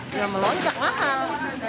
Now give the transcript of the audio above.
tidak melonjak mahal